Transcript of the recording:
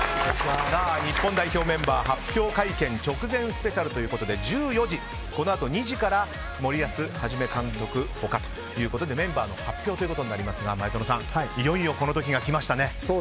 日本代表メンバー発表会見直前スペシャルということで１４時、このあと２時から森保一監督他ということでメンバーの発表ということになりますが前園さん、いよいよこの時が来ましたね。